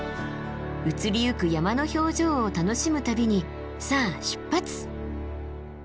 移りゆく山の表情を楽しむ旅にさあ出発！